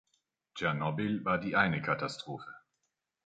Tschernobyl war die eine Katastrophe.